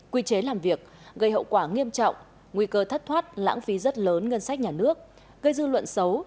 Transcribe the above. quy chế làm việc gây hậu quả nghiêm trọng nguy cơ thất thoát lãng phí rất lớn ngân sách nhà nước gây dư luận xấu